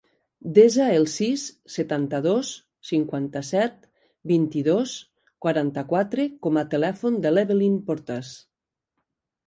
Desa el sis, setanta-dos, cinquanta-set, vint-i-dos, quaranta-quatre com a telèfon de l'Evelyn Portas.